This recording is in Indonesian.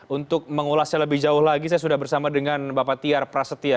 untuk mengulasnya lebih jauh lagi saya sudah bersama dengan bapak tiar prasetya